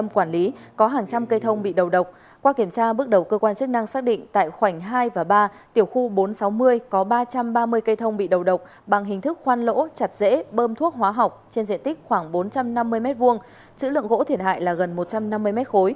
quản lý bước đầu cơ quan chức năng xác định tại khoảnh hai và ba tiểu khu bốn trăm sáu mươi có ba trăm ba mươi cây thông bị đầu độc bằng hình thức khoan lỗ chặt dễ bơm thuốc hóa học trên diện tích khoảng bốn trăm năm mươi m hai chữ lượng gỗ thiệt hại là gần một trăm năm mươi m ba